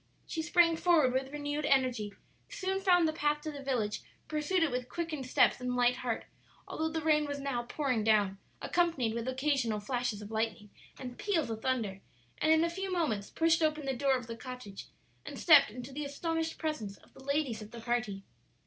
she sprang forward with renewed energy, soon found the path to the village, pursued it with quickened steps and light heart, although the rain was now pouring down, accompanied with occasional flashes of lightning and peals of thunder, and in a few moments pushed open the door of the cottage and stepped into the astonished presence of the ladies of the party.